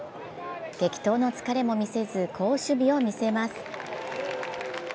激闘の疲れも見せず、好守備を見せます。